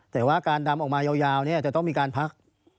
แต่ว่าการดำออกมายาวจะต้องมีการพัก